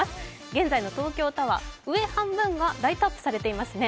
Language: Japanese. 現在の東京タワー、上半分がライトアップされていますね。